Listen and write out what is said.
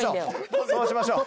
そうしましょう。